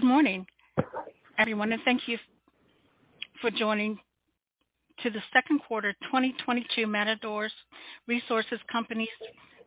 Good morning, everyone, and thank you for joining the Second Quarter 2022 Matador Resources Company's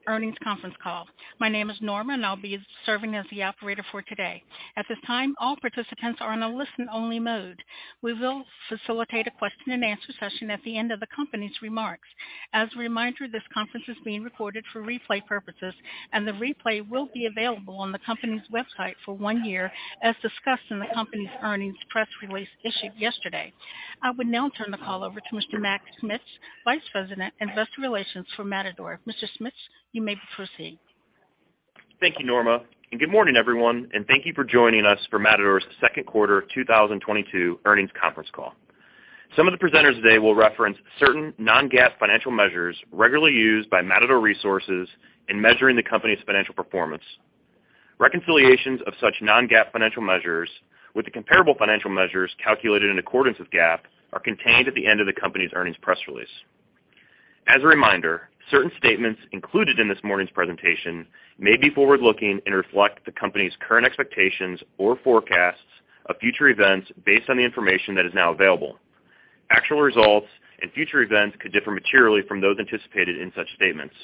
Earnings Conference Call. My name is Norma, and I'll be serving as the operator for today. At this time, all participants are on a listen-only mode. We will facilitate a question-and-answer session at the end of the company's remarks. As a reminder, this conference is being recorded for replay purposes, and the replay will be available on the company's website for one year, as discussed in the company's earnings press release issued yesterday. I would now turn the call over to Mr. Mac Schmitz, Vice President, Investor Relations for Matador. Mr. Schmitz, you may proceed. Thank you, Norma, and good morning, everyone, and thank you for joining us for Matador's second quarter 2022 earnings conference call. Some of the presenters today will reference certain non-GAAP financial measures regularly used by Matador Resources in measuring the company's financial performance. Reconciliations of such non-GAAP financial measures with the comparable financial measures calculated in accordance with GAAP are contained at the end of the company's earnings press release. As a reminder, certain statements included in this morning's presentation may be forward-looking and reflect the company's current expectations or forecasts of future events based on the information that is now available. Actual results and future events could differ materially from those anticipated in such statements.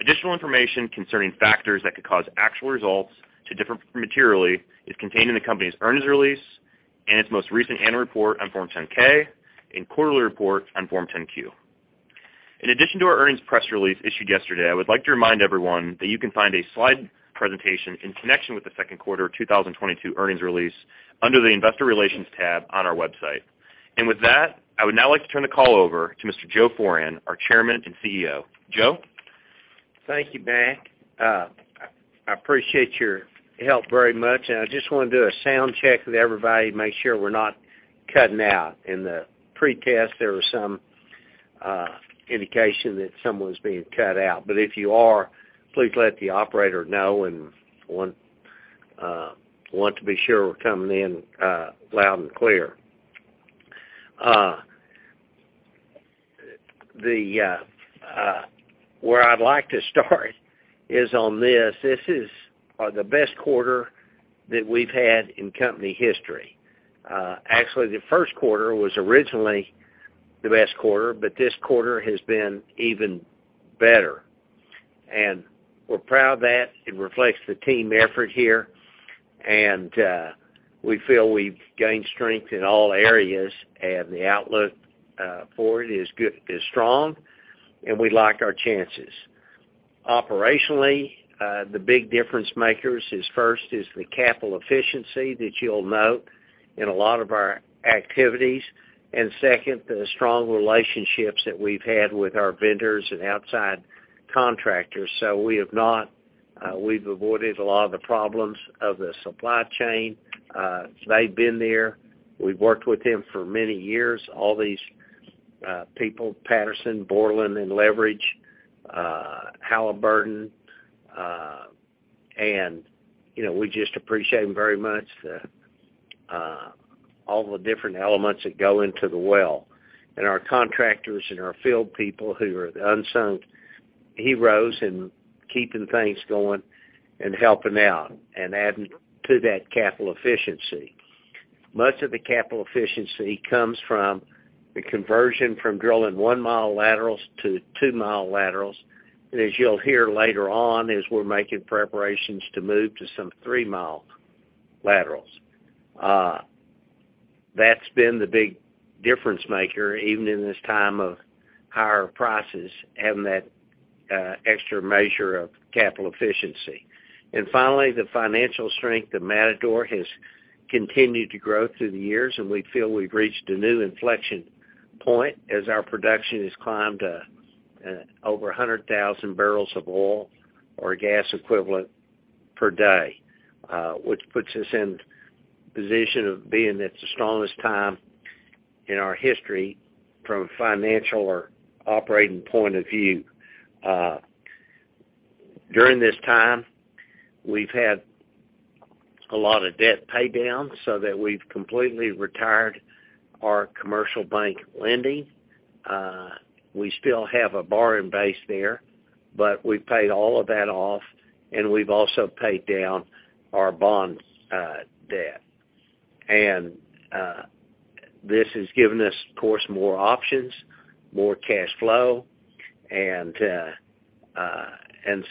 Additional information concerning factors that could cause actual results to differ materially is contained in the company's earnings release and its most recent annual report on Form 10-K and quarterly report on Form 10-Q. In addition to our earnings press release issued yesterday, I would like to remind everyone that you can find a slide presentation in connection with the second quarter 2022 earnings release under the Investor Relations tab on our website. With that, I would now like to turn the call over to Mr. Joe Foran, our Chairman and CEO. Joe? Thank you, Matt. I appreciate your help very much. I just want to do a sound check with everybody, make sure we're not cutting out. In the pretest, there was some indication that someone's being cut out. If you are, please let the operator know and want to be sure we're coming in loud and clear. Where I'd like to start is on this. This is the best quarter that we've had in company history. Actually, the first quarter was originally the best quarter, but this quarter has been even better. We're proud of that. It reflects the team effort here, and we feel we've gained strength in all areas and the outlook for it is strong, and we like our chances. Operationally, the big difference makers is first the capital efficiency that you'll note in a lot of our activities. Second, the strong relationships that we've had with our vendors and outside contractors. We've avoided a lot of the problems of the supply chain. They've been there. We've worked with them for many years. All these people, Patterson, Bourland & Leverich, Halliburton, and, you know, we just appreciate them very much. The all the different elements that go into the well, and our contractors and our field people who are the unsung heroes in keeping things going and helping out and adding to that capital efficiency. Most of the capital efficiency comes from the conversion from drilling one mile laterals to two mile laterals. As you'll hear later on, as we're making preparations to move to some three mile laterals. That's been the big difference maker, even in this time of higher prices, having that extra measure of capital efficiency. Finally, the financial strength of Matador has continued to grow through the years, and we feel we've reached a new inflection point as our production has climbed to over 100,000 barrels of oil or gas equivalent per day, which puts us in position of being at the strongest time in our history from a financial or operating point of view. During this time, we've had a lot of debt pay down so that we've completely retired our commercial bank lending. We still have a borrowing base there, but we've paid all of that off, and we've also paid down our bond debt. This has given us, of course, more options, more cash flow, and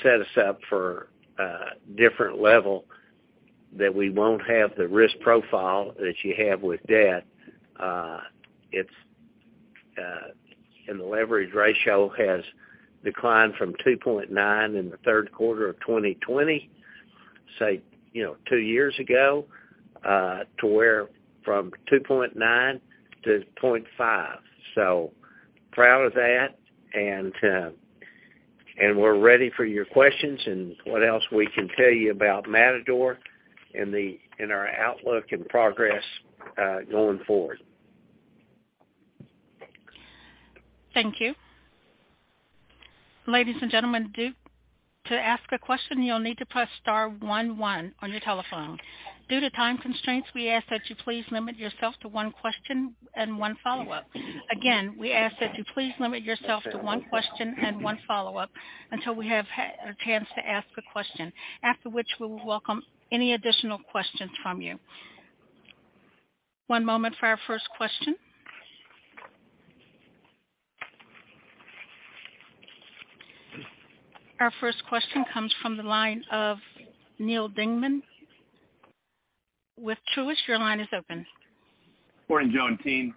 set us up for a different level that we won't have the risk profile that you have with debt. The leverage ratio has declined from 2.9 in the third quarter of 2020, say, you know, two years ago, to 0.5. Proud of that. We're ready for your questions and what else we can tell you about Matador and our outlook and progress going forward. Thank you. Ladies and gentlemen, to ask a question, you'll need to press star one one on your telephone. Due to time constraints, we ask that you please limit yourself to one question and one follow-up. Again, we ask that you please limit yourself to one question and one follow-up until we have a chance to ask a question. After which, we will welcome any additional questions from you. One moment for our first question. Our first question comes from the line of Neal Dingmann with Truist. Your line is open. Morning, Joe and team.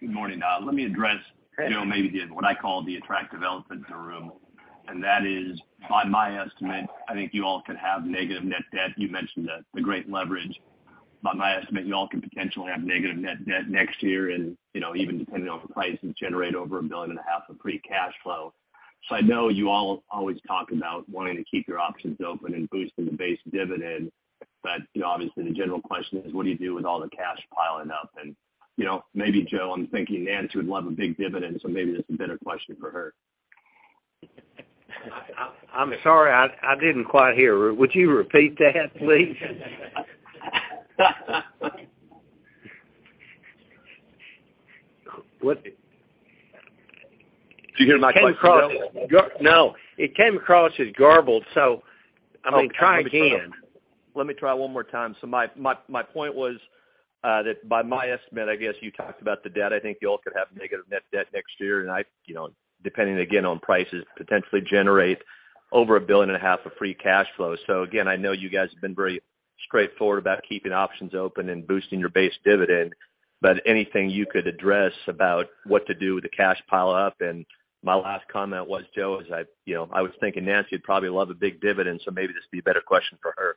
Good morning. Let me address, Joe, maybe the, what I call the attractive elephant in the room, and that is, by my estimate, I think you all could have negative net debt. You mentioned the great leverage. By my estimate, you all could potentially have negative net debt next year and, you know, even depending on price, generate over $1.5 billion of free cash flow. I know you all always talk about wanting to keep your options open and boosting the base dividend. You know, obviously, the general question is, what do you do with all the cash piling up? You know, maybe Joe, I'm thinking Nancy would love a big dividend, so maybe this is a better question for her. I'm sorry, I didn't quite hear. Would you repeat that, please? What? Did you hear my question at all? No, it came across as garbled. So, I mean, try again. Okay. Let me try one more time. My point was that by my estimate, I guess you talked about the debt. I think you all could have negative net debt next year. I you know, depending again, on prices, potentially generate over $1.5 billion of free cash flow. Again, I know you guys have been very straightforward about keeping options open and boosting your base dividend. Anything you could address about what to do with the cash pile up? My last comment was, Joe, as I you know, I was thinking Nancy would probably love a big dividend, so maybe this would be a better question for her.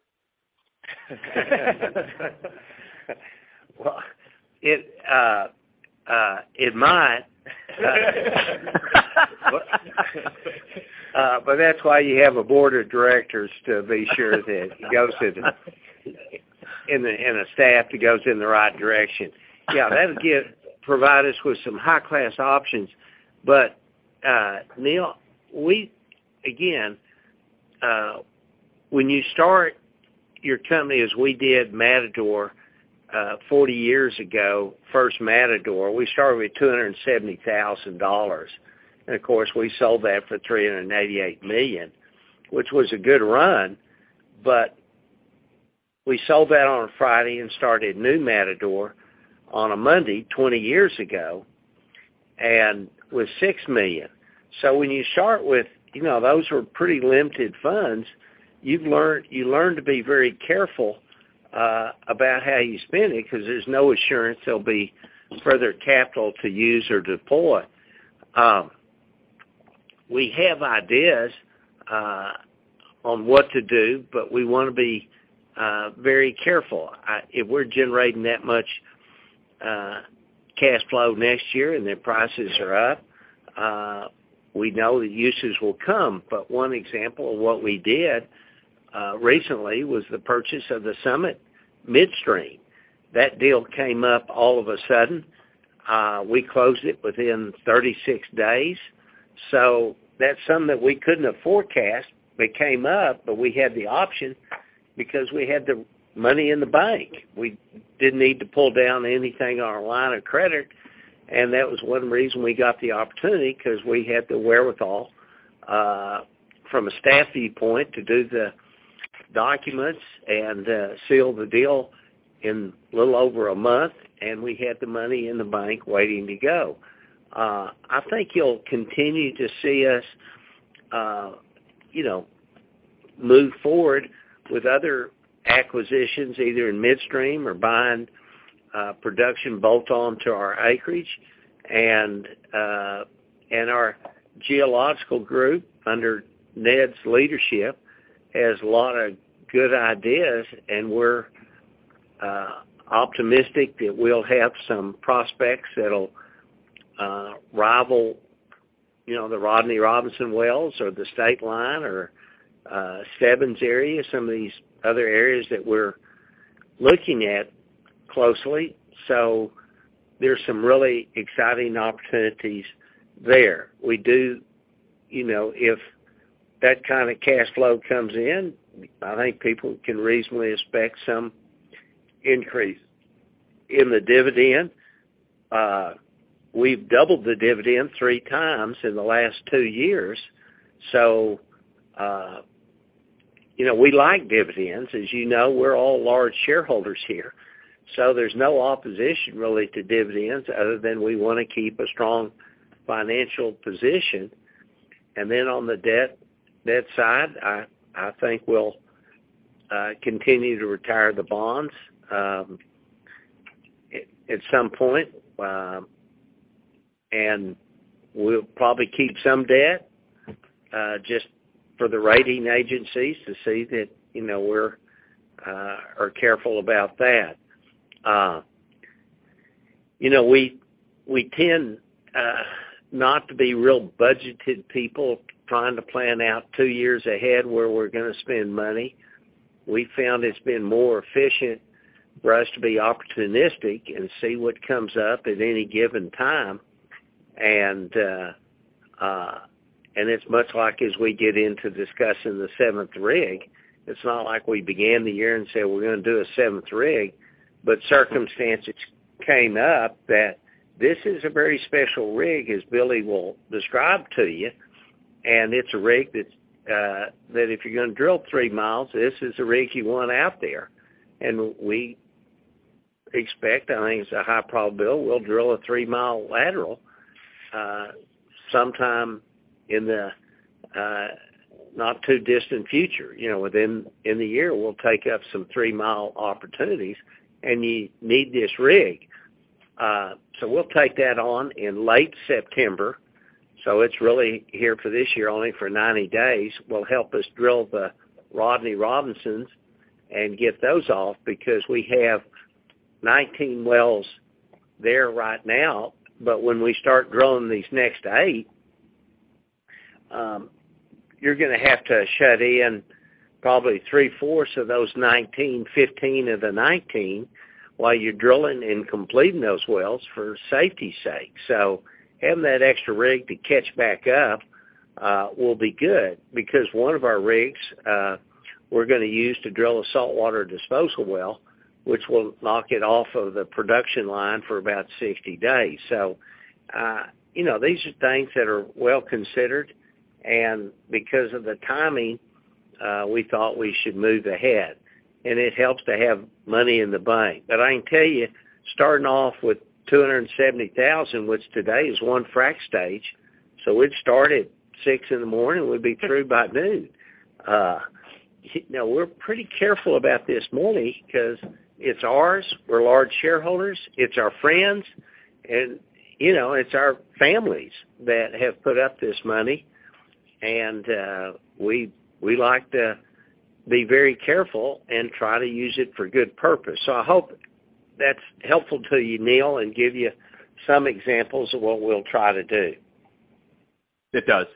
Well, it might. That's why you have a board of directors to be sure that it goes to the board and the staff that goes in the right direction. Yeah, that'll provide us with some high-class options. Neal, again, when you start your company as we did Matador 40 years ago, first Matador, we started with $270,000. Of course, we sold that for $388 million, which was a good run. We sold that on a Friday and started new Matador on a Monday, 20 years ago, and with $6 million. When you start with, you know, those were pretty limited funds. You learn to be very careful about how you spend it because there's no assurance there'll be further capital to use or deploy. We have ideas on what to do, but we wanna be very careful. If we're generating that much cash flow next year and the prices are up, we know the uses will come. One example of what we did recently was the purchase of the Summit Midstream. That deal came up all of a sudden. We closed it within 36 days. That's something that we couldn't have forecast. It came up, but we had the option because we had the money in the bank. We didn't need to pull down anything on our line of credit. That was one reason we got the opportunity, because we had the wherewithal from a staff viewpoint to do the documents and seal the deal in a little over a month, and we had the money in the bank waiting to go. I think you'll continue to see us, you know, move forward with other acquisitions, either in midstream or buying production bolt on to our acreage. Our geological group, under Ned's leadership, has a lot of good ideas, and we're optimistic that we'll have some prospects that'll rival, you know, the Rodney Robinson wells or the Stateline or Greater Stebbins area, some of these other areas that we're looking at closely. There's some really exciting opportunities there. We do, you know, if that kind of cash flow comes in, I think people can reasonably expect some increase in the dividend. We've doubled the dividend 3x in the last two years. You know, we like dividends. As you know, we're all large shareholders here. There's no opposition, really, to dividends other than we wanna keep a strong financial position. On the debt side, I think we'll continue to retire the bonds at some point. We'll probably keep some debt just for the rating agencies to see that, you know, we're careful about that. You know, we tend not to be real budgeted people trying to plan out two years ahead where we're gonna spend money. We found it's been more efficient for us to be opportunistic and see what comes up at any given time. It's much like as we get into discussing the seventh rig. It's not like we began the year and said, we're gonna do a seventh rig. Circumstances came up that this is a very special rig, as Billy will describe to you. It's a rig that's if you're gonna drill three miles, this is a rig you want out there. We expect, I think it's a high probability we'll drill a three mile lateral, sometime in the not too distant future. You know, within the year, we'll take up some three mile opportunities, and you need this rig. We'll take that on in late September, so it's really here for this year only for 90 days, will help us drill the Rodney Robinsons and get those off because we have 19 wells there right now. When we start drilling these next eight, you're gonna have to shut in probably three-fourths of those 19, 15 of the 19, while you're drilling and completing those wells for safety's sake. Having that extra rig to catch back up will be good because one of our rigs, we're gonna use to drill a saltwater disposal well, which will knock it off of the production line for about 60 days. You know, these are things that are well considered, and because of the timing, we thought we should move ahead. It helps to have money in the bank. I can tell you, starting off with $270,000, which today is one frac stage, so we'd start at 6:00 A.M., we'd be through by noon. You know, we're pretty careful about this money because it's ours. We're large shareholders, it's our friends, and, you know, it's our families that have put up this money. We like to be very careful and try to use it for good purpose. I hope that's helpful to you, Neal, and give you some examples of what we'll try to do. It does.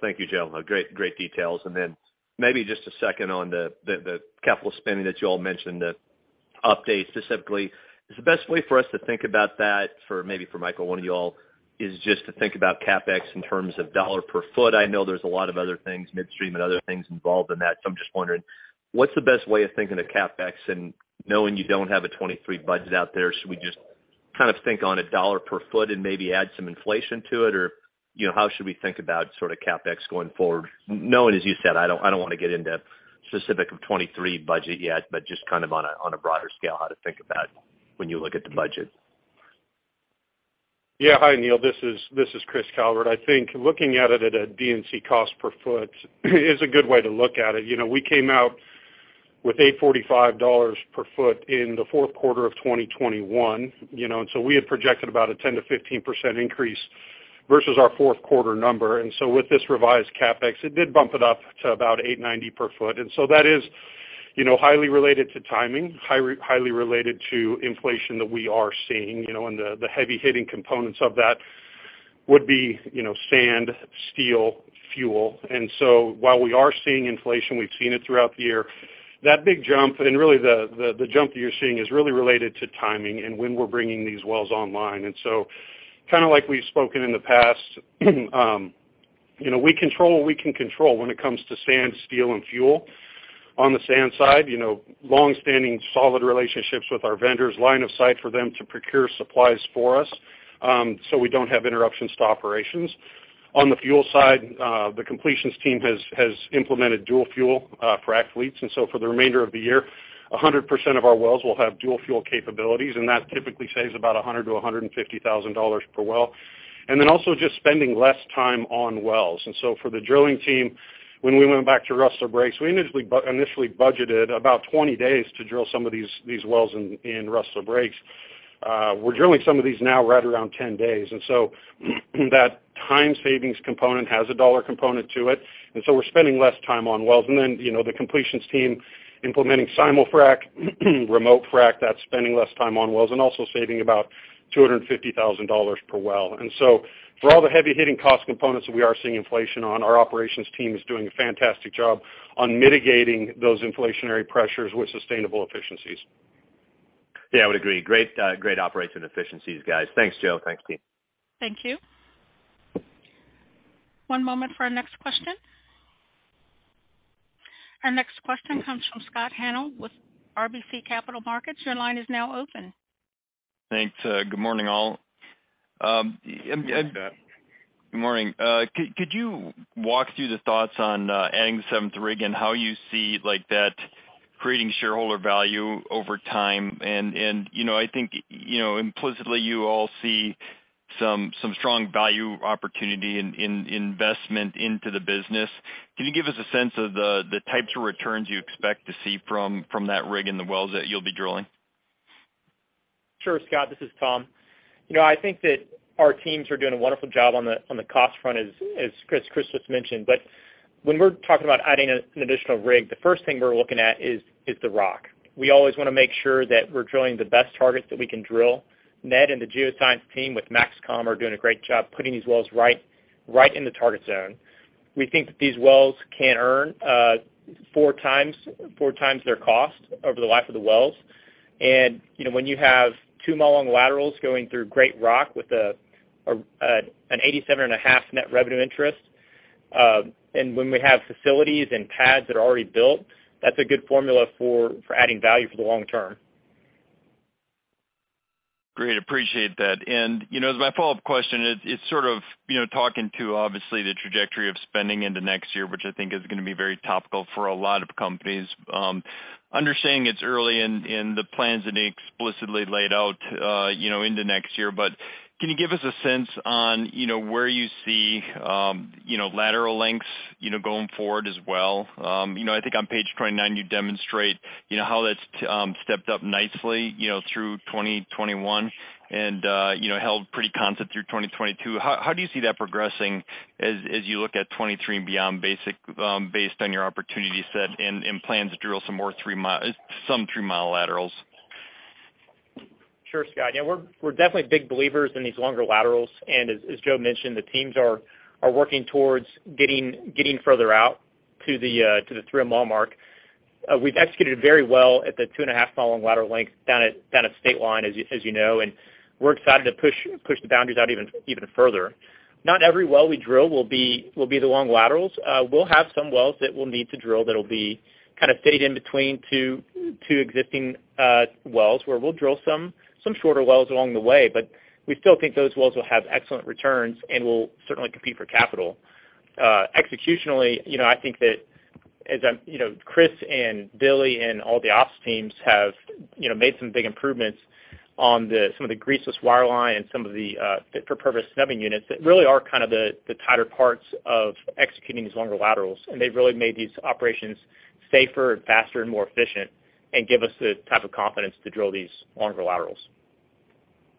Thank you, gentlemen. Great details. Then maybe just a second on the capital spending that you all mentioned, the updates specifically. Is the best way for us to think about that for, maybe for Michael, one of you all, is just to think about CapEx in terms of dollar per foot? I know there's a lot of other things, midstream and other things involved in that, so I'm just wondering what's the best way of thinking of CapEx? Knowing you don't have a 2023 budget out there, should we just kind of think on a dollar per foot and maybe add some inflation to it? Or, you know, how should we think about sort of CapEx going forward? Knowing, as you said, I don't wanna get into specifics of 2023 budget yet, but just kind of on a broader scale, how to think about when you look at the budget. Yeah. Hi, Neal. This is Chris Calvert. I think looking at it at a D&C cost per foot is a good way to look at it. You know, we came out with $845 per foot in the fourth quarter of 2021, you know. We had projected about a 10%-15% increase versus our fourth quarter number. With this revised CapEx, it did bump it up to about $890 per foot. That is, you know, highly related to timing, highly related to inflation that we are seeing, you know, and the heavy-hitting components of that would be, you know, sand, steel, fuel. While we are seeing inflation, we've seen it throughout the year, that big jump and really the jump you're seeing is really related to timing and when we're bringing these wells online. Kind of like we've spoken in the past, you know, we control what we can control when it comes to sand, steel, and fuel. On the sand side, you know, longstanding solid relationships with our vendors, line of sight for them to procure supplies for us, so we don't have interruptions to operations. On the fuel side, the completions team has implemented dual fuel for all fleets, and so for the remainder of the year, 100% of our wells will have dual fuel capabilities, and that typically saves about $100,000-$150,000 per well. Then also just spending less time on wells. For the drilling team, when we went back to Rustler Breaks, we initially budgeted about 20 days to drill some of these wells in Rustler Breaks. We're drilling some of these now right around 10 days, and so that time savings component has a dollar component to it, and so we're spending less time on wells. Then, you know, the completions team implementing simul-frac, remote frac, that's spending less time on wells and also saving about $250,000 per well. For all the heavy-hitting cost components that we are seeing inflation on, our operations team is doing a fantastic job on mitigating those inflationary pressures with sustainable efficiencies. Yeah, I would agree. Great, great operations efficiencies, guys. Thanks, Joe. Thanks, team. Thank you. One moment for our next question. Our next question comes from Scott Hanold with RBC Capital Markets. Your line is now open. Thanks. Good morning, all. Good morning, Scott. Good morning. Could you walk through the thoughts on adding the seventh rig and how you see, like, that creating shareholder value over time? You know, I think, you know, implicitly you all see some strong value opportunity in investment into the business. Can you give us a sense of the types of returns you expect to see from that rig and the wells that you'll be drilling? Sure, Scott. This is Tom. You know, I think that our teams are doing a wonderful job on the cost front as Chris just mentioned. When we're talking about adding an additional rig, the first thing we're looking at is the rock. We always wanna make sure that we're drilling the best targets that we can drill. Ned and the geoscience team with MAXCOM are doing a great job putting these wells right in the target zone. We think that these wells can earn 4x their cost over the life of the wells. You know, when you have two mile-long laterals going through great rock with an 87.5 net revenue interest, and when we have facilities and pads that are already built, that's a good formula for adding value for the long term. Great. Appreciate that. You know, as my follow-up question, it's sort of, you know, talking to obviously the trajectory of spending into next year, which I think is gonna be very topical for a lot of companies. Understanding it's early in the plans that are explicitly laid out, you know, into next year, but can you give us a sense on, you know, where you see, you know, lateral lengths, you know, going forward as well? You know, I think on page 29, you demonstrate, you know, how that's stepped up nicely, you know, through 2021 and, you know, held pretty constant through 2022. How do you see that progressing as you look at 2023 and beyond based on your opportunity set and plans to drill some more 3-mile laterals? Sure, Scott. Yeah, we're definitely big believers in these longer laterals. As Joe mentioned, the teams are working towards getting further out to the three mile mark. We've executed very well at the 2.5 mile long lateral length down at Stateline, as you know, and we're excited to push the boundaries out even further. Not every well we drill will be the long laterals. We'll have some wells that we'll need to drill that'll be kind of fit in between two existing wells, where we'll drill some shorter wells along the way, but we still think those wells will have excellent returns and will certainly compete for capital. Executionally, you know, I think that as I'm. You know, Chris and Billy and all the ops teams have, you know, made some big improvements on some of the greaseless wireline and some of the fit for purpose snubbing units that really are kind of the tighter parts of executing these longer laterals. They've really made these operations safer and faster and more efficient and give us the type of confidence to drill these longer laterals.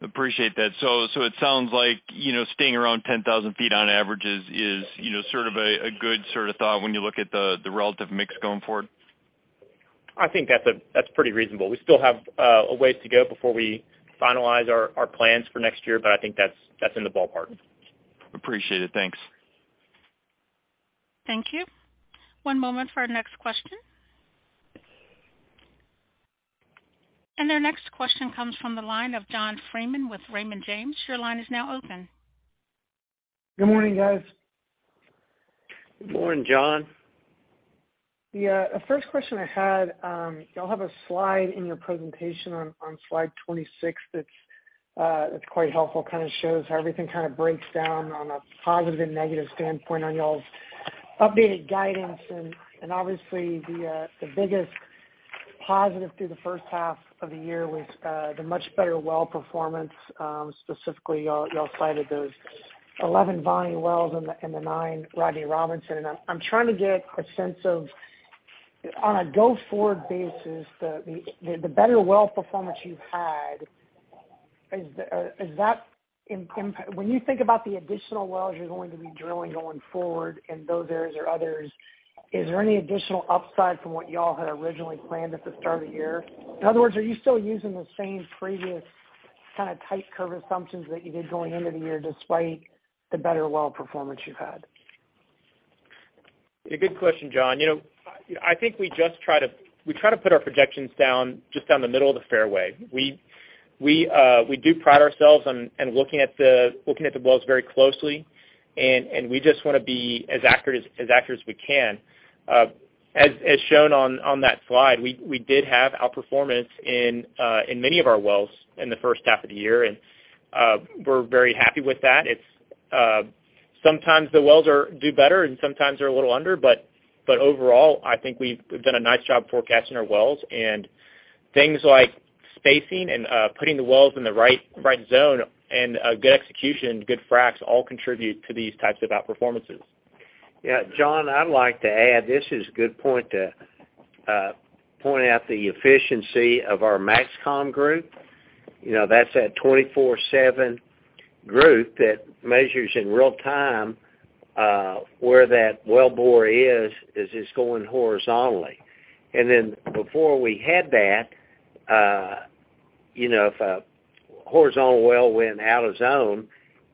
Appreciate that. It sounds like, you know, staying around 10,000 feet on average is, you know, sort of a good sort of thought when you look at the relative mix going forward. I think that's pretty reasonable. We still have a ways to go before we finalize our plans for next year, but I think that's in the ballpark. Appreciate it. Thanks. Thank you. One moment for our next question. Our next question comes from the line of John Freeman with Raymond James. Your line is now open. Good morning, guys. Good morning, John. Yeah. The first question I had, y'all have a slide in your presentation on slide 26 that's quite helpful, kind of shows how everything kind of breaks down on a positive and negative standpoint on y'all's updated guidance. Obviously the biggest positive through the first half of the year was the much better well performance, specifically y'all cited those 11 volume wells in the nine Rodney Robinson. I'm trying to get a sense of, on a go-forward basis, the better well performance you've had, or is that impacting when you think about the additional wells you're going to be drilling going forward in those areas or others, is there any additional upside from what y'all had originally planned at the start of the year? In other words, are you still using the same previous kind of tight curve assumptions that you did going into the year despite the better well performance you've had? Yeah, good question, John. You know, I think we just try to put our projections down, just down the middle of the fairway. We do pride ourselves on looking at the wells very closely, and we just wanna be as accurate as we can. As shown on that slide, we did have outperformance in many of our wells in the first half of the year, and we're very happy with that. It's sometimes the wells do better, and sometimes they're a little under, but overall, I think we've done a nice job forecasting our wells. Things like spacing and putting the wells in the right zone and good execution, good fracs all contribute to these types of outperformances. Yeah. John, I'd like to add, this is a good point to point out the efficiency of our MAXCOM group. You know, that's the 24/7 group that measures in real time where that wellbore is as it's going horizontally. Before we had that, you know, if a horizontal well went out of zone,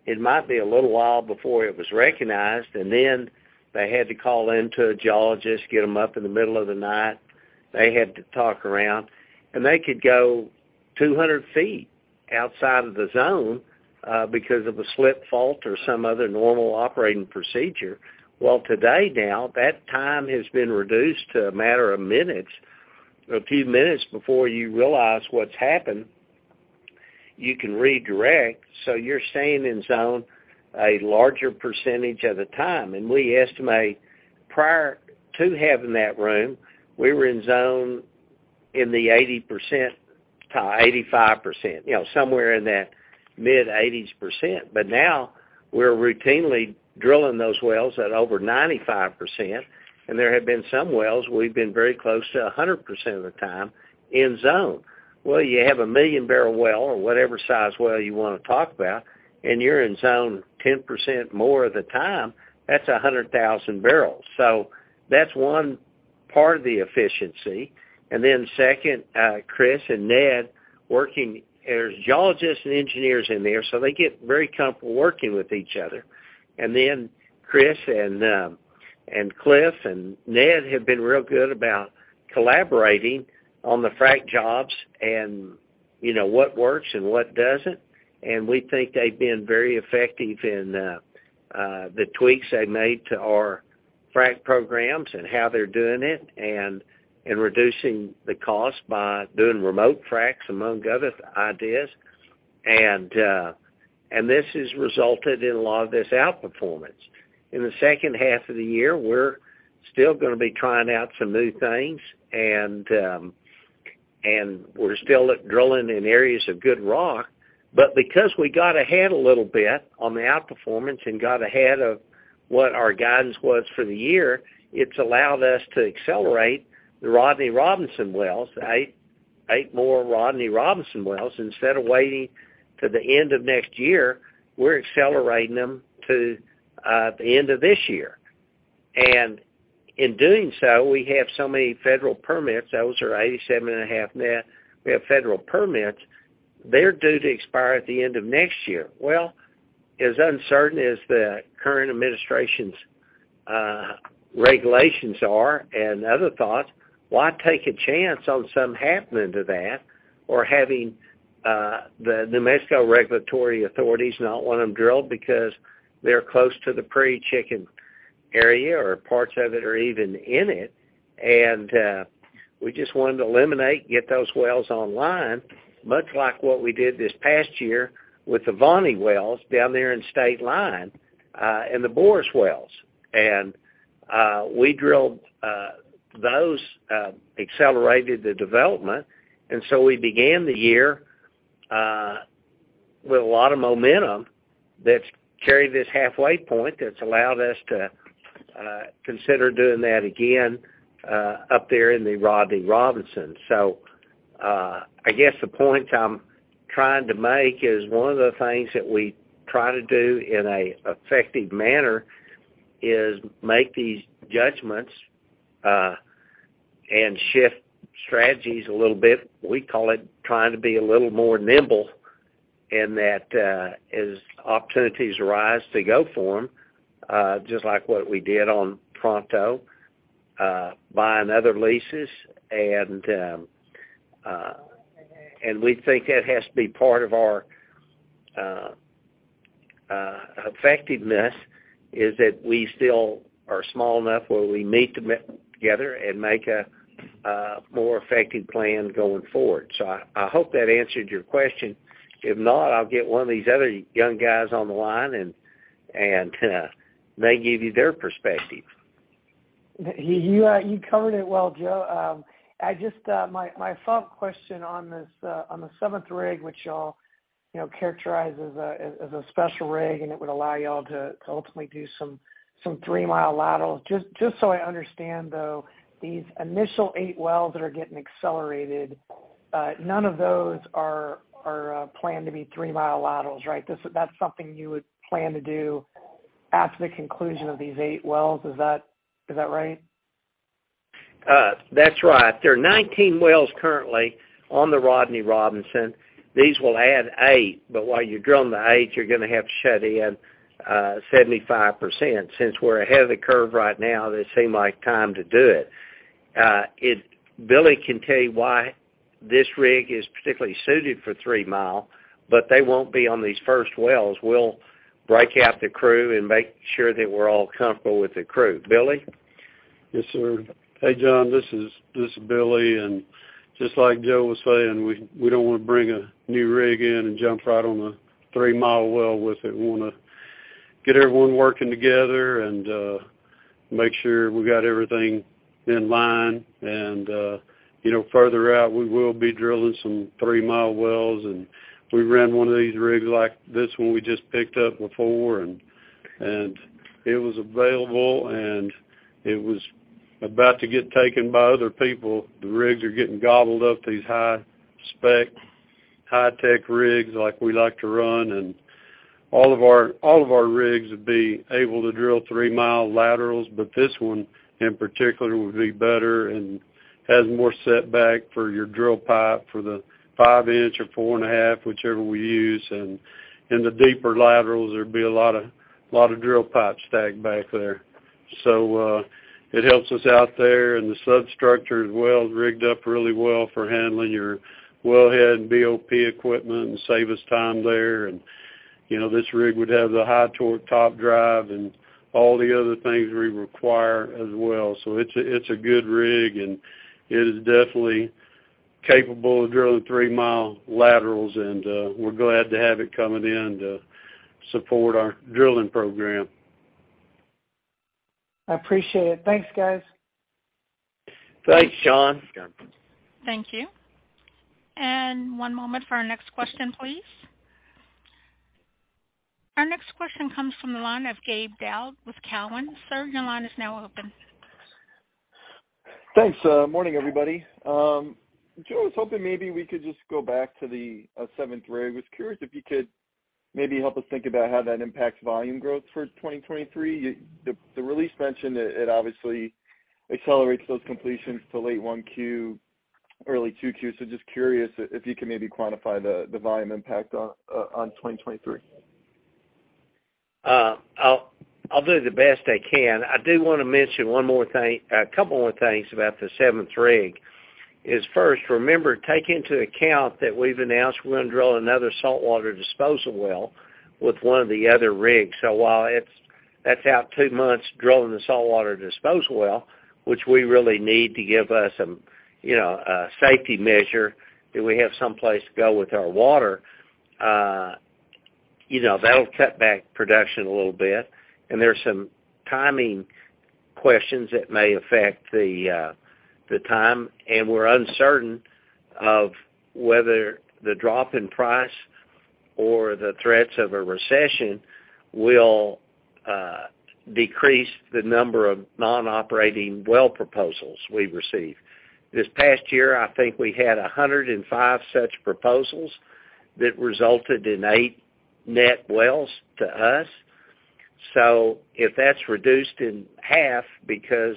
it might be a little while before it was recognized, and then they had to call in to a geologist, get them up in the middle of the night. They had to talk around, and they could go 200 feet outside of the zone because of a slip fault or some other normal operating procedure. Well, today now, that time has been reduced to a matter of minutes. A few minutes before you realize what's happened, you can redirect, so you're staying in zone a larger percentage of the time. We estimate prior to having that room, we were in zone in the 80%- 85%, you know, somewhere in that mid-80s%. Now we're routinely drilling those wells at over 95%, and there have been some wells we've been very close to 100% of the time in zone. Well, you have a 1 million-barrel well or whatever size well you wanna talk about, and you're in zone 10% more of the time, that's 100,000 barrels. That's one part of the efficiency. Then second, Chris and Ned working. There's geologists and engineers in there, so they get very comfortable working with each other. Then Chris and Cliff and Ned have been real good about collaborating on the frac jobs and, you know, what works and what doesn't. We think they've been very effective in the tweaks they've made to our frac programs and how they're doing it and reducing the cost by doing remote fracs, among other ideas. This has resulted in a lot of this outperformance. In the second half of the year, we're still gonna be trying out some new things, and we're still drilling in areas of good rock. Because we got ahead a little bit on the outperformance and got ahead of what our guidance was for the year, it's allowed us to accelerate the Rodney Robinson wells, eight more Rodney Robinson wells. Instead of waiting to the end of next year, we're accelerating them to the end of this year. In doing so, we have so many federal permits, those are 87.5 net, we have federal permits, they're due to expire at the end of next year. Well, as uncertain as the current administration's regulations are and other thoughts, why take a chance on something happening to that or having the New Mexico regulatory authorities not want them drilled because they're close to the Prairie Chicken area or parts of it or even in it? We just wanted to eliminate and get those wells online, much like what we did this past year with the Voni wells down there in Stateline, and the Boros wells. We drilled those, accelerated the development, and we began the year with a lot of momentum that's carried this halfway point. That's allowed us to consider doing that again up there in the Rodney Robinson. I guess the point I'm trying to make is one of the things that we try to do in a effective manner is make these judgments and shift strategies a little bit. We call it trying to be a little more nimble in that, as opportunities arise to go for them, just like what we did on Pronto, buying other leases. We think that has to be part of our effectiveness, is that we still are small enough where we meet together and make a more effective plan going forward. I hope that answered your question. If not, I'll get one of these other young guys on the line and they give you their perspective. You covered it well, Joe. I just my follow-up question on this on the seventh rig, which y'all you know characterize as a special rig, and it would allow y'all to ultimately do some three-mile laterals. Just so I understand, though, these initial eight wells that are getting accelerated, none of those are planned to be three-mile laterals, right? That's something you would plan to do at the conclusion of these eight wells. Is that right? That's right. There are 19 wells currently on the Rodney Robinson. These will add eight, but while you're drilling the eight, you're gonna have to shut in 75%. Since we're ahead of the curve right now, this seemed like time to do it. Billy can tell you why this rig is particularly suited for three-mile, but they won't be on these first wells. We'll break out the crew and make sure that we're all comfortable with the crew. Billy? Yes, sir. Hey, John, this is Billy, and just like Joe was saying, we don't wanna bring a new rig in and jump right on a three-mile well with it. We wanna get everyone working together and make sure we got everything in line. You know, further out, we will be drilling some three-mile wells. We ran one of these rigs like this one we just picked up before, and it was available, and it was about to get taken by other people. The rigs are getting gobbled up, these high spec, high tech rigs like we like to run. All of our rigs would be able to drill three mile laterals, but this one in particular would be better and has more setback for your drill pipe for the five inch or 4.5-inch, whichever we use. In the deeper laterals, there'd be a lot of drill pipe stacked back there. So it helps us out there. The substructure of the well is rigged up really well for handling your wellhead and BOP equipment and save us time there. You know, this rig would have the high torque top drive and all the other things we require as well. It's a good rig, and it is definitely capable of drilling three mile laterals, and we're glad to have it coming in to support our drilling program. I appreciate it. Thanks, guys. Thanks, John. Thank you. One moment for our next question, please. Our next question comes from the line of Gabe Daoud with TD Cowen. Sir, your line is now open. Thanks. Morning, everybody. Joe, I was hoping maybe we could just go back to the seventh rig. Was curious if you could maybe help us think about how that impacts volume growth for 2023. The release mentioned that it obviously accelerates those completions to late 1Q, early 2Q. Just curious if you can maybe quantify the volume impact on 2023. I'll do the best I can. I do wanna mention one more thing, a couple more things about the seventh rig. First, remember, take into account that we've announced we're gonna drill another saltwater disposal well with one of the other rigs. So while it's that's out two months drilling the saltwater disposal well, which we really need to give us some, you know, a safety measure that we have someplace to go with our water, you know, that'll cut back production a little bit. There's some timing questions that may affect the time, and we're uncertain of whether the drop in price or the threats of a recession will decrease the number of non-operating well proposals we receive. This past year, I think we had 105 such proposals that resulted in eight net wells to us. If that's reduced in half because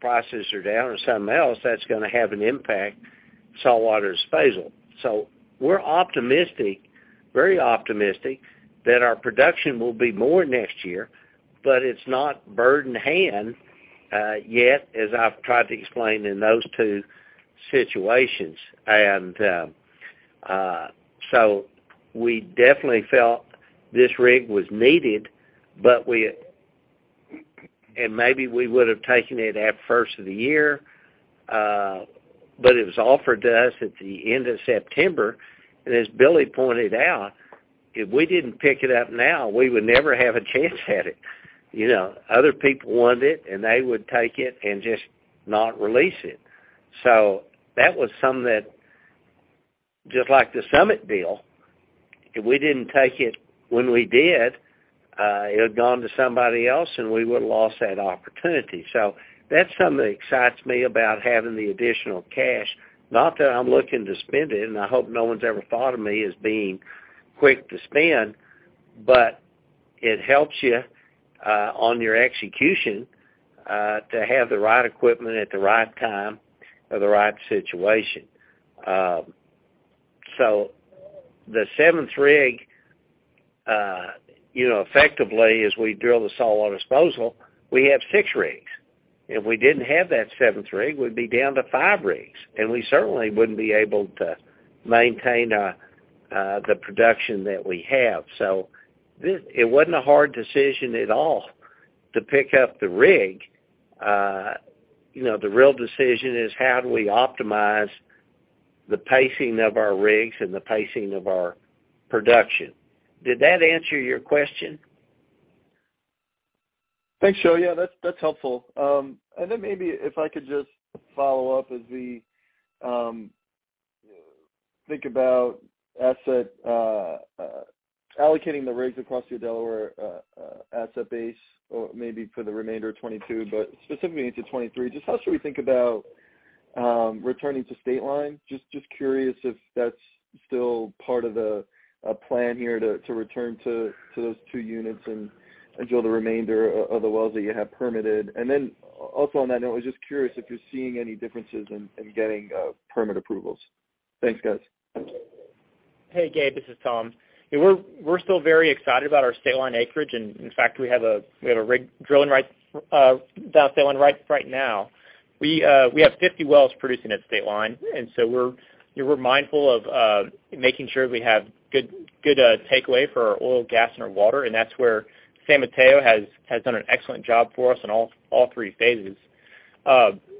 prices are down or something else, that's gonna have an impact, saltwater disposal. We're optimistic, very optimistic that our production will be more next year, but it's not bird in hand yet, as I've tried to explain in those two situations. We definitely felt this rig was needed, but maybe we would have taken it at first of the year, but it was offered to us at the end of September. As Billy pointed out, if we didn't pick it up now, we would never have a chance at it. You know, other people want it, and they would take it and just not release it. That was something that, just like the Summit deal, if we didn't take it when we did, it had gone to somebody else, and we would have lost that opportunity. That's something that excites me about having the additional cash. Not that I'm looking to spend it, and I hope no one's ever thought of me as being quick to spend, but it helps you, on your execution, to have the right equipment at the right time or the right situation. The seventh rig, you know, effectively, as we drill the saltwater disposal, we have six rigs. If we didn't have that seventh rig, we'd be down to five rigs, and we certainly wouldn't be able to maintain, the production that we have. It wasn't a hard decision at all to pick up the rig. You know, the real decision is how do we optimize the pacing of our rigs and the pacing of our production. Did that answer your question? Thanks, Joe. Yeah, that's helpful. Maybe if I could just follow up as we think about allocating the rigs across your Delaware asset base or maybe for the remainder of 2022, but specifically into 2023, just how should we think about returning to Stateline? Just curious if that's still part of the plan here to return to those two units and drill the remainder of the wells that you have permitted. On that note, I was just curious if you're seeing any differences in getting permit approvals. Thanks, guys. Hey, Gabe, this is Tom. We're still very excited about our Stateline acreage, and in fact, we have a rig drilling right down Stateline right now. We have 50 wells producing at Stateline, and so we're, you know, we're mindful of making sure we have good takeaway for our oil, gas, and our water, and that's where San Mateo has done an excellent job for us in all three phases.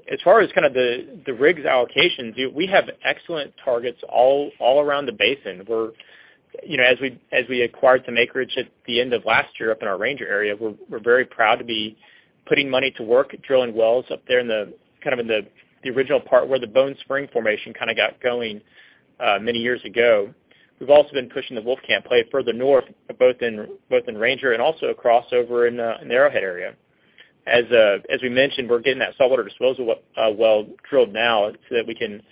As far as kind of the rig allocations, we have excellent targets all around the basin. As we acquired some acreage at the end of last year up in our Ranger area, we're very proud to be putting money to work drilling wells up there in the original part where the Bone Spring Formation kind of got going many years ago. We've also been pushing the Wolfcamp play further north, both in Ranger and also across over in the Arrowhead area. As we mentioned, we're getting that saltwater disposal well drilled now so that we can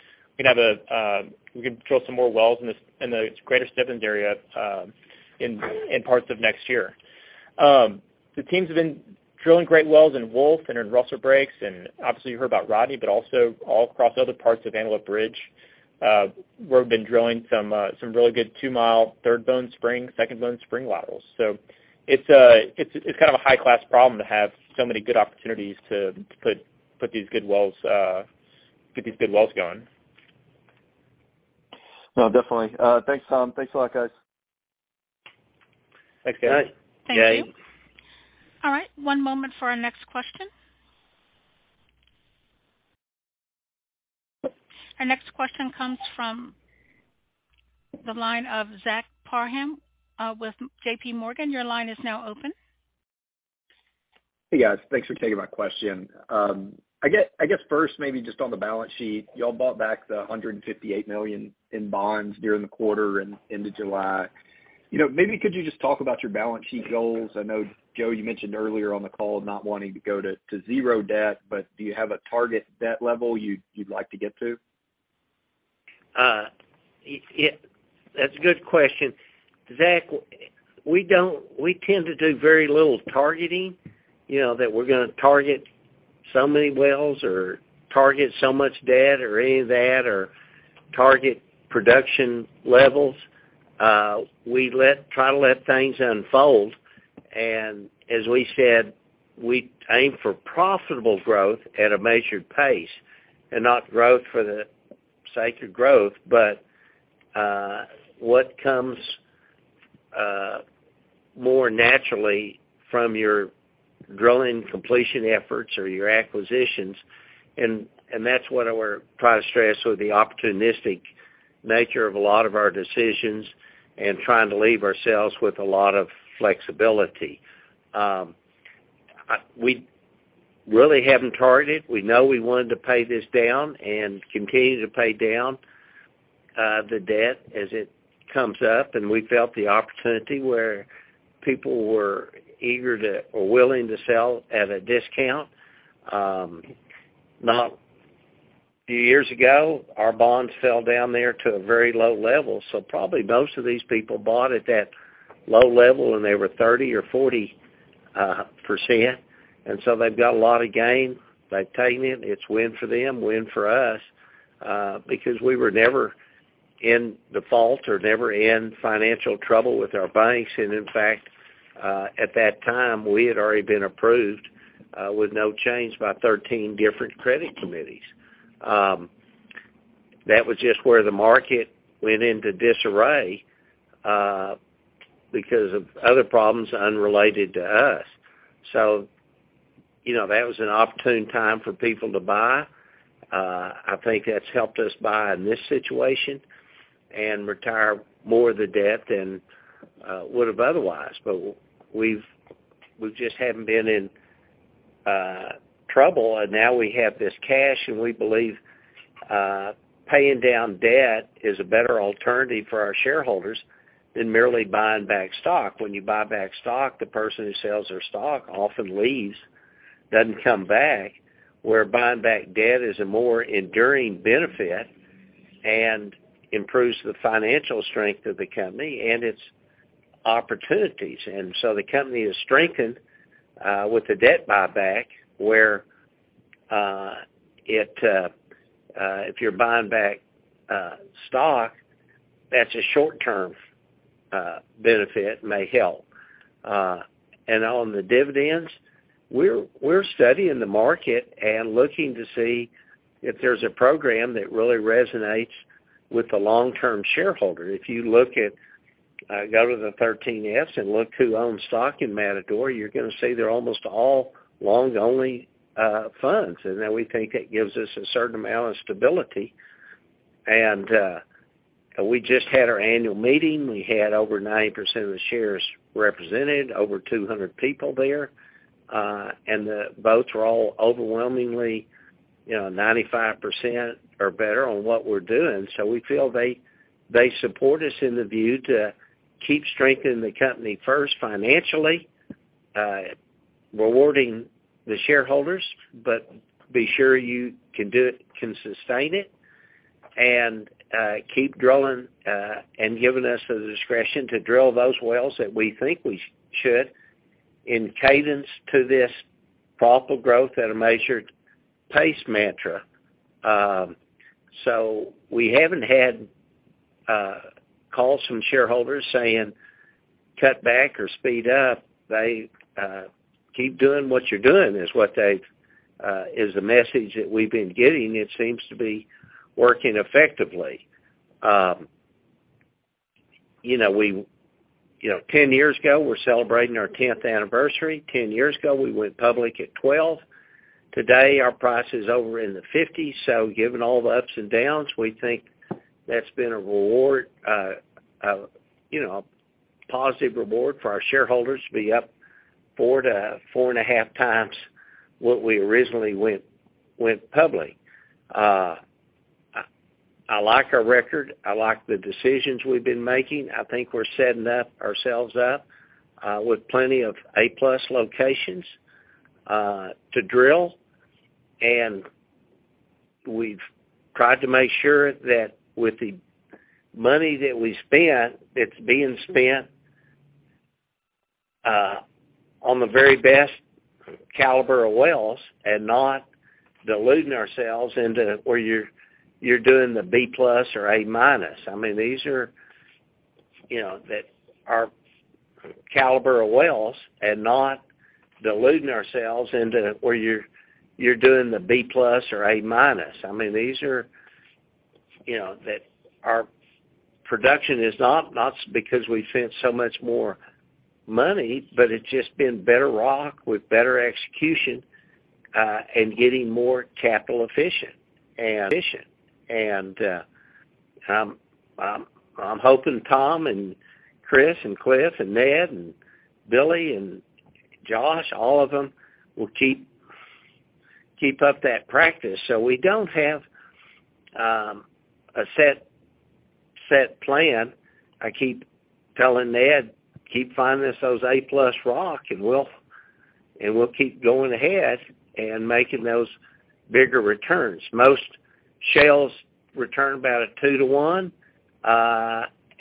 drill some more wells in the Greater Stebbins area in parts of next year. The teams have been drilling great wells in Wolf and in Rustler Breaks, and obviously, you heard about Rodney, but also all across other parts of Antelope Ridge, where we've been drilling some really good two-mile Third Bone Spring, Second Bone Spring laterals. It's kind of a high-class problem to have so many good opportunities to put these good wells, get these good wells going. No, definitely. Thanks, Tom. Thanks a lot, guys. Thanks, guys. All right. Thank you. All right. One moment for our next question. Our next question comes from the line of Zach Parham with JPMorgan. Your line is now open. Hey, guys. Thanks for taking my question. I guess first, maybe just on the balance sheet, y'all bought back the $158 million in bonds during the quarter and into July. You know, maybe could you just talk about your balance sheet goals? I know, Joe, you mentioned earlier on the call not wanting to go to zero debt, but do you have a target debt level you'd like to get to? That's a good question. Zach, we tend to do very little targeting, you know, that we're gonna target so many wells or target so much debt or any of that, or target production levels. We try to let things unfold. As we said, we aim for profitable growth at a measured pace, and not growth for the sake of growth, but what comes more naturally from your drilling completion efforts or your acquisitions, and that's what we're trying to stress with the opportunistic nature of a lot of our decisions and trying to leave ourselves with a lot of flexibility. We really haven't targeted. We know we wanted to pay this down and continue to pay down the debt as it comes up, and we felt the opportunity where people were eager to or willing to sell at a discount. Now, a few years ago, our bonds fell down there to a very low level. Probably most of these people bought at that low level, and they were 30% or 40%. They've got a lot of gain. They've taken it. It's win for them, win for us, because we were never in default or never in financial trouble with our banks. In fact, at that time, we had already been approved with no change by 13 different credit committees. That was just where the market went into disarray because of other problems unrelated to us. You know, that was an opportune time for people to buy. I think that's helped us buy in this situation and retire more of the debt than would have otherwise. We just haven't been in trouble, and now we have this cash, and we believe paying down debt is a better alternative for our shareholders than merely buying back stock. When you buy back stock, the person who sells their stock often leaves, doesn't come back, where buying back debt is a more enduring benefit and improves the financial strength of the company and its opportunities. The company is strengthened with the debt buyback, where if you're buying back stock, that's a short-term benefit and may help. On the dividends, we're studying the market and looking to see if there's a program that really resonates with the long-term shareholder. If you look at, go to the 13F and look who owns stock in Matador, you're gonna see they're almost all long-only funds, and that we think it gives us a certain amount of stability. We just had our annual meeting. We had over 90% of the shares represented, over 200 people there, and the votes were all overwhelmingly, you know, 95% or better on what we're doing. We feel they support us in the view to keep strengthening the company first financially, rewarding the shareholders, but be sure you can do it, can sustain it, and keep drilling, and giving us the discretion to drill those wells that we think we should in cadence to this profitable growth at a measured pace mantra. We haven't had calls from shareholders saying, "Cut back or speed up." They "Keep doing what you're doing" is the message that we've been getting. It seems to be working effectively. You know, 10 years ago, we're celebrating our tenth anniversary. 10 years ago, we went public at $12. Today, our price is over in the $50s. Given all the ups and downs, we think that's been a reward, a positive reward for our shareholders to be up 4x-4.5x what we originally went public. I like our record. I like the decisions we've been making. I think we're setting ourselves up with plenty of A-plus locations to drill. We've tried to make sure that with the money that we spent, it's being spent on the very best caliber of wells and not deluding ourselves into where you're doing the B-plus or A-minus. I mean, these are that our caliber of wells and not deluding ourselves into where you're doing the B-plus or A-minus. I mean, these are, you know, that our production is not because we've spent so much more money, but it's just been better rock with better execution, and getting more capital efficient. I'm hoping Tom and Chris and Cliff and Ned and Billy and Josh, all of them will keep up that practice. We don't have a set plan. I keep telling Ned, "Keep finding us those A-plus rock, and we'll keep going ahead and making those bigger returns." Most shales return about a 2-1,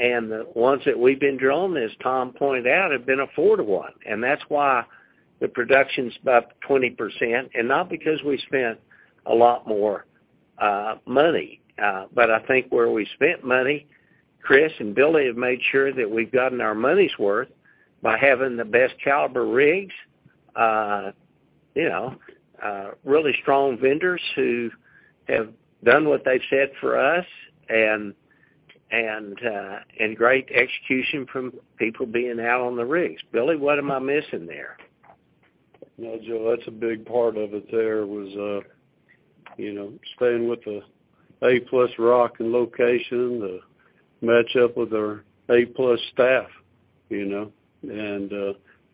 and the ones that we've been drilling, as Tom pointed out, have been a 4-1. That's why the production's about 20%, and not because we spent a lot more money. I think where we spent money, Chris and Billy have made sure that we've gotten our money's worth by having the best caliber rigs, you know, really strong vendors who have done what they've said for us and great execution from people being out on the rigs. Billy, what am I missing there? No, Joe, that's a big part of it, you know, staying with the A-plus rock and location to match up with our A-plus staff, you know.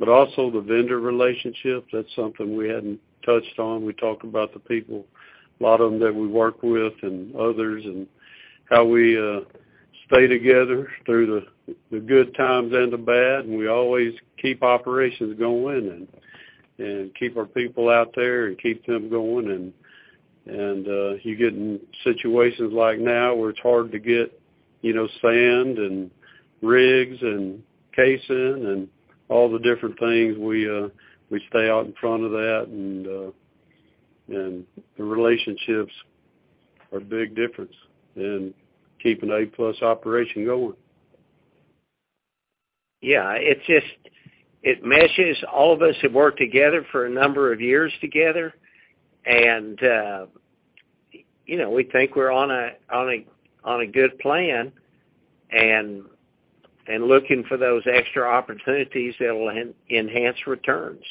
Also the vendor relationship, that's something we hadn't touched on. We talked about the people, a lot of them that we work with and others, and how we stay together through the good times and the bad, and we always keep operations going and keep our people out there and keep them going. You get in situations like now where it's hard to get, you know, sand and rigs and casing and all the different things, we stay out in front of that. The relationships are a big difference in keeping A-plus operation going. Yeah. It's just it meshes. All of us have worked together for a number of years together. You know, we think we're on a good plan and looking for those extra opportunities that'll enhance returns.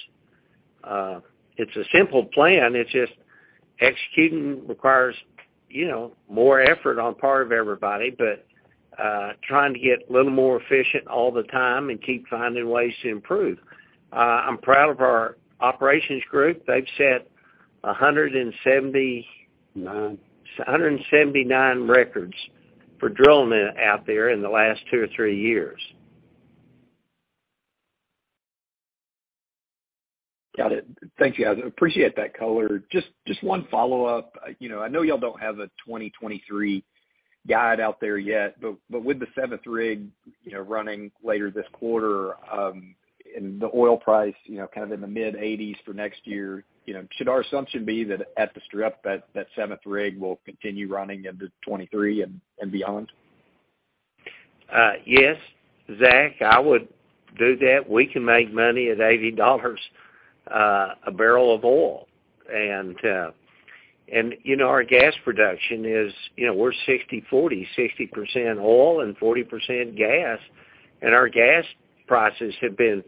It's a simple plan. It's just executing requires you know, more effort on part of everybody, but trying to get a little more efficient all the time and keep finding ways to improve. I'm proud of our operations group. They've set 170 Nine. 179 records for drilling out there in the last two or three years. Got it. Thank you, guys. Appreciate that color. Just one follow-up. You know, I know y'all don't have a 2023 guide out there yet, but with the seventh rig, you know, running later this quarter, and the oil price, you know, kind of in the mid-$80s for next year, you know, should our assumption be that at the strip that seventh rig will continue running into 2023 and beyond? Yes, Zach, I would do that. We can make money at $80 a barrel of oil. You know, our gas production is, you know, we're 60/40, 60% oil and 40% gas, and our gas prices have been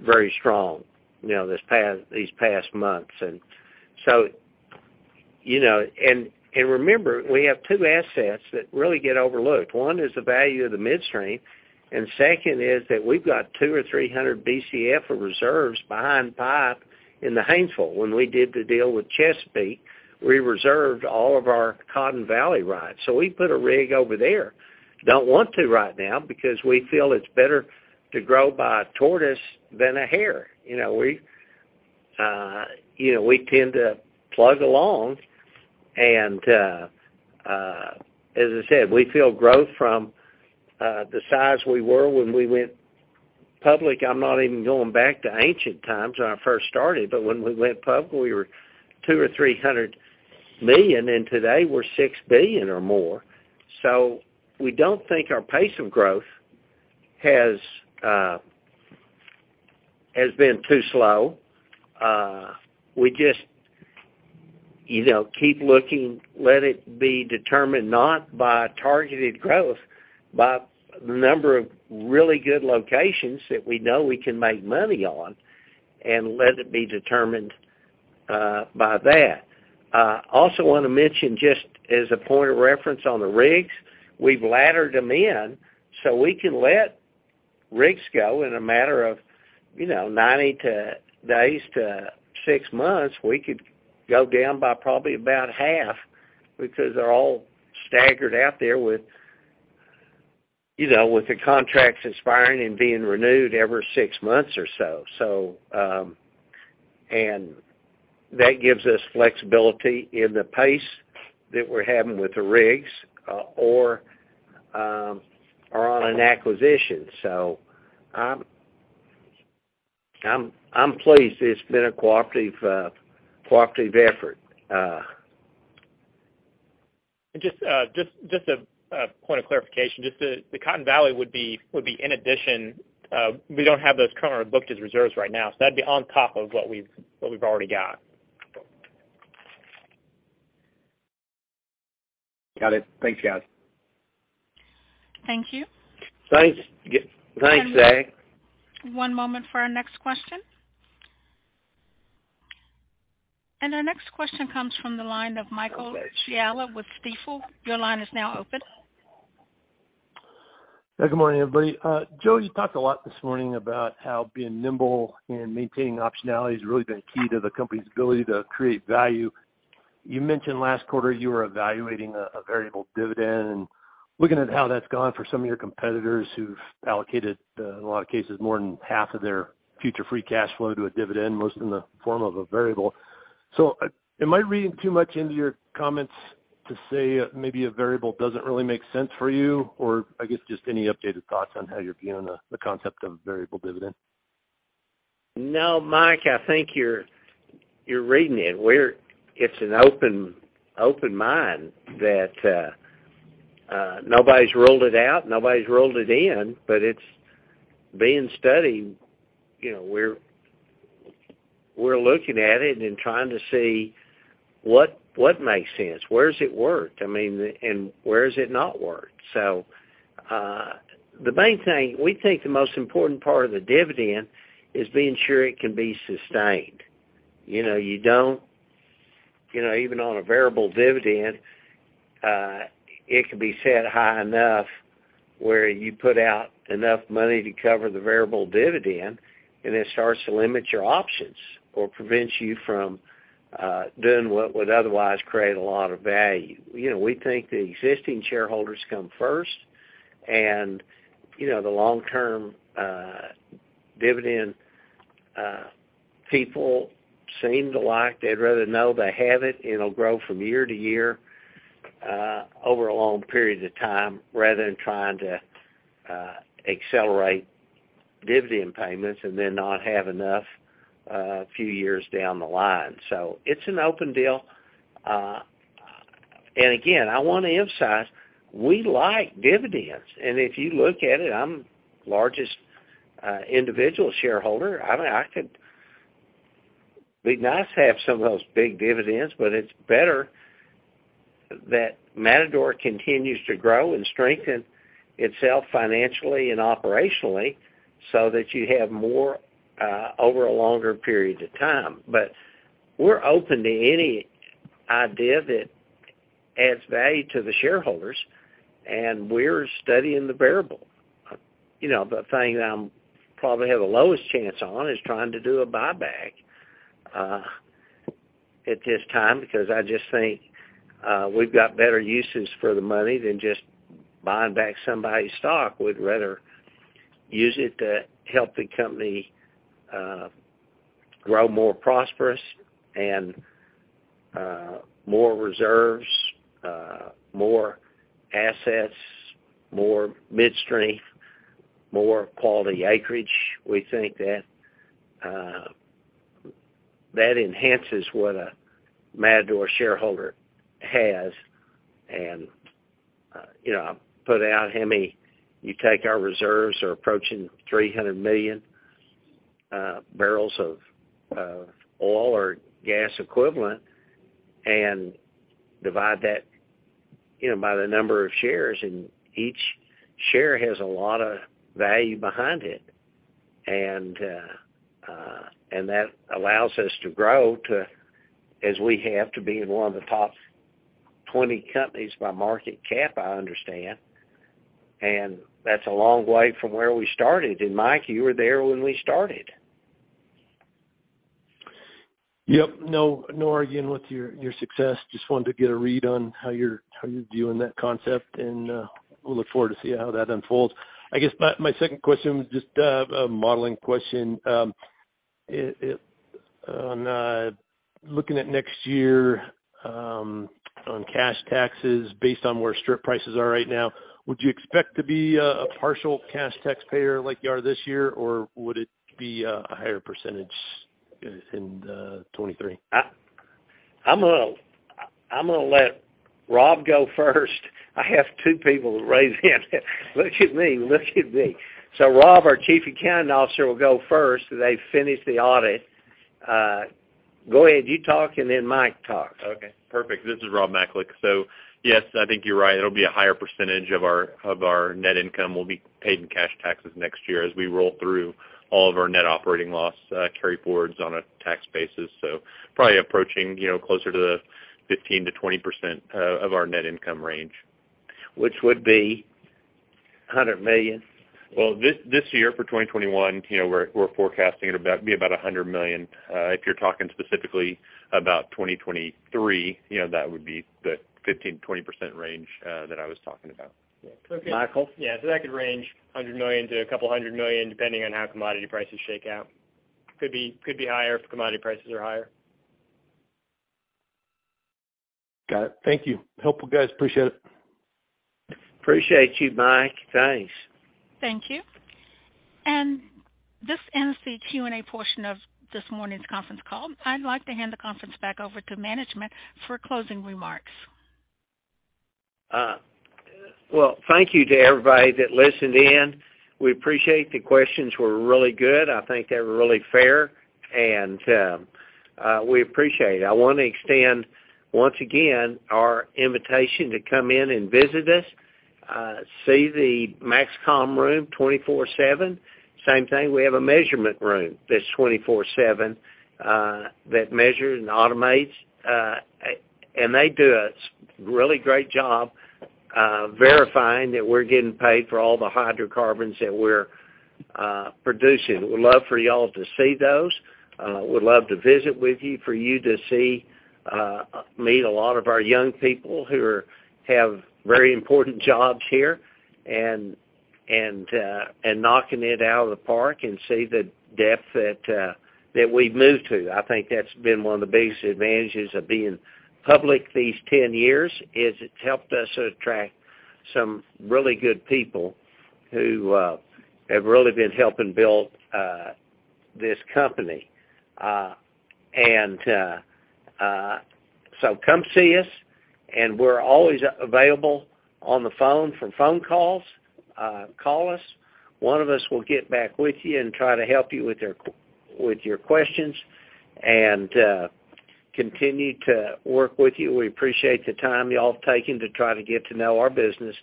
very strong, you know, these past months. You know. Remember, we have two assets that really get overlooked. One is the value of the midstream, and second is that we've got 200 Bcf or 300 Bcf of reserves behind pipe in the Haynesville. When we did the deal with Chesapeake, we reserved all of our Cotton Valley rights. We put a rig over there. Don't want to right now because we feel it's better to grow by a tortoise than a hare. You know, we tend to plug along. As I said, we feel growth from the size we were when we went public. I'm not even going back to ancient times when I first started, but when we went public, we were $200 million-$300 million, and today we're $6 billion or more. We don't think our pace of growth has been too slow. We just, you know, keep looking, let it be determined not by targeted growth, by the number of really good locations that we know we can make money on, and let it be determined by that. Also want to mention just as a point of reference on the rigs, we've laddered them in so we can let rigs go in a matter of, you know, 90 days to six months, we could go down by probably about half because they're all staggered out there with, you know, with the contracts expiring and being renewed every six months or so. That gives us flexibility in the pace that we're having with the rigs, or on an acquisition. I'm pleased it's been a cooperative effort. Just a point of clarification, just the Cotton Valley would be in addition. We don't have those currently booked as reserves right now, so that'd be on top of what we've already got. Got it. Thanks, guys. Thank you. Thanks. Thanks, Zach. One moment for our next question. Our next question comes from the line of Michael Scialla with Stifel. Your line is now open. Yeah. Good morning, everybody. Joe, you talked a lot this morning about how being nimble and maintaining optionality has really been key to the company's ability to create value. You mentioned last quarter you were evaluating a variable dividend, and looking at how that's gone for some of your competitors who've allocated, in a lot of cases, more than half of their future free cash flow to a dividend, most in the form of a variable. Am I reading too much into your comments to say maybe a variable doesn't really make sense for you? Or I guess just any updated thoughts on how you're viewing the concept of variable dividend? No, Mike, I think you're reading it. It's an open mind that nobody's ruled it out, nobody's ruled it in, but it's being studied. You know, we're looking at it and trying to see what makes sense, where has it worked? I mean, and where has it not worked? The main thing we think the most important part of the dividend is being sure it can be sustained. You know, even on a variable dividend, it can be set high enough where you put out enough money to cover the variable dividend, and it starts to limit your options or prevents you from doing what would otherwise create a lot of value. You know, we think the existing shareholders come first. You know, the long-term dividend people seem to like. They'd rather know they have it'll grow from year to year, over a long period of time, rather than trying to accelerate dividend payments and then not have enough a few years down the line. It's an open deal. Again, I wanna emphasize, we like dividends. If you look at it, I'm largest individual shareholder. I mean, it'd be nice to have some of those big dividends, but it's better that Matador continues to grow and strengthen itself financially and operationally so that you have more over a longer period of time. We're open to any idea that adds value to the shareholders, and we're studying the variable. You know, the thing that I'm probably have the lowest chance on is trying to do a buyback at this time, because I just think we've got better uses for the money than just buying back somebody's stock. We'd rather use it to help the company grow more prosperous and more reserves, more assets, more midstream, more quality acreage. We think that that enhances what a Matador shareholder has. You know, you take our reserves are approaching 300 million barrels of oil or gas equivalent, and divide that, you know, by the number of shares, and each share has a lot of value behind it. That allows us to grow to, as we have, to be in one of the top 20 companies by market cap, I understand. That's a long way from where we started. Mike, you were there when we started. Yep. No argument with your success. Just wanted to get a read on how you're viewing that concept, and we'll look forward to see how that unfolds. I guess my second question was just a modeling question. On looking at next year, on cash taxes based on where strip prices are right now, would you expect to be a partial cash taxpayer like you are this year, or would it be a higher percentage in 2023? I'm gonna let Rob go first. I have two people raised hand. Look at me. Look at me. Rob, our chief accounting officer, will go first. They've finished the audit. Go ahead. You talk and then Mike talks. Okay. Perfect. This is Robert Macalik. Yes, I think you're right. It'll be a higher percentage of our net income will be paid in cash taxes next year as we roll through all of our net operating loss carryforwards on a tax basis. Probably approaching, you know, closer to the 15%-20% of our net income range. Which would be $100 million. Well, this year for 2021, you know, we're forecasting it be about $100 million. If you're talking specifically about 2023, you know, that would be the 15%-20% range that I was talking about. Michael? Yeah. That could range $100 million-$200 million, depending on how commodity prices shake out. Could be higher if commodity prices are higher. Got it. Thank you. Helpful, guys. Appreciate it. Appreciate you, Mike. Thanks. Thank you. This ends the Q&A portion of this morning's conference call. I'd like to hand the conference back over to management for closing remarks. Well, thank you to everybody that listened in. We appreciate the questions. They were really good. I think they were really fair, and we appreciate it. I wanna extend once again our invitation to come in and visit us, see the MAXCOM room 24/7. Same thing, we have a measurement room that's 24/7 that measures and automates, and they do a really great job verifying that we're getting paid for all the hydrocarbons that we're producing. Would love for y'all to see those. Would love to visit with you, for you to see, meet a lot of our young people who have very important jobs here and knocking it out of the park and see the depth that we've moved to. I think that's been one of the biggest advantages of being public these 10 years, is it's helped us attract some really good people who have really been helping build this company. Come see us, and we're always available on the phone for phone calls. Call us, one of us will get back with you and try to help you with your questions and continue to work with you. We appreciate the time y'all have taken to try to get to know our business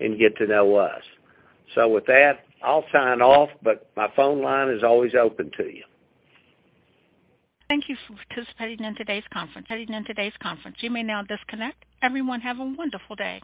and get to know us. With that, I'll sign off, but my phone line is always open to you. Thank you for participating in today's conference. You may now disconnect. Everyone, have a wonderful day.